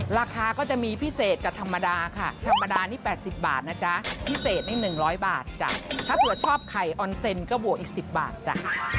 ราคาก็จะมีพิเศษกับธรรมดาค่ะธรรมดานี่๘๐บาทนะจ๊ะพิเศษนี่๑๐๐บาทจ้ะถ้าเผื่อชอบไข่ออนเซ็นก็บวกอีก๑๐บาทจ้ะ